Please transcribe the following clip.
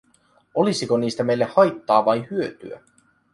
Olisiko niistä meille haittaa vai hyötyä?